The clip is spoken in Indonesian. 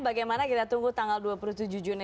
bagaimana kita tunggu tanggal dua puluh tujuh juni